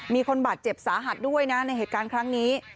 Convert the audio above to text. มีคนบาดเจ็บสาหัสด้วยนะในเหตุการณ์ครั้งนี้